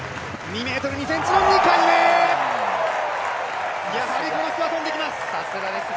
２ｍ２ｃｍの２回目、やはりこの人は跳んできます！